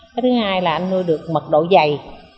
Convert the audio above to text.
cái thứ hai là anh nuôi được mật độ dày